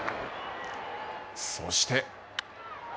そして。